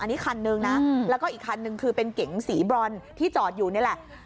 อันนี้คันนึงนะแล้วก็อีกคันนึงคือเป็นเก๋งสีบรอนที่จอดอยู่นี่แหละ